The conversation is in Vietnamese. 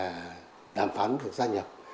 là đàm phán về gia nhập